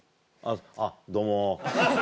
あっどうも。